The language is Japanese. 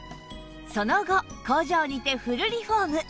その後工場にてフルリフォーム